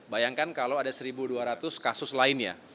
bayangkan kalau ada satu dua ratus kasus lainnya